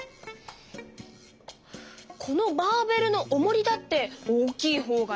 このバーベルのおもりだって大きいほうがいい。